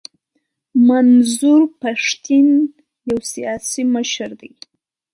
منظور پښتین یو سیاسي مشر دی.